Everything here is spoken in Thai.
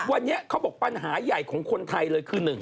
วันนี้เขาบอกปัญหาใหญ่ของคนไทยเลยคือ